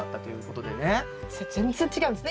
じゃあ全然違うんですね